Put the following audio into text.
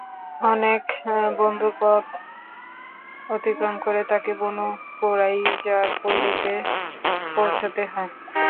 অনেক বন্ধুর পথ অতিক্রম করে তাকে বনু কুরাইযার পল্লীতে পৌঁছতে হয়।